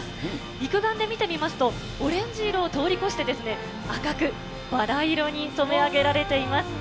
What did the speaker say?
肉眼で見てみますと、オレンジ色を通り越して、赤く、バラ色に染め上げられています。